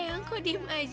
ayah kok diem aja sih